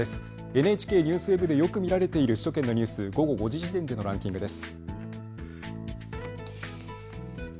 ＮＨＫＮＥＷＳＷＥＢでよく見られている首都圏のニュース、午後５時時点でのランキングです。